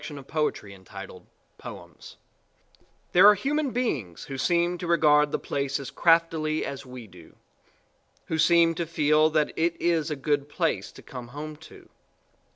POEMS BY MARIANNE MOORE DOCK RATS There are human beings who seem to regard the place as craftily as we do who seem to feel that it is a good place to come home to.